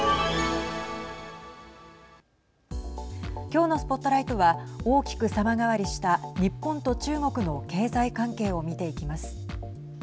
今日のＳＰＯＴＬＩＧＨＴは大きく様変わりした日本と中国の経済関係を見ていきます。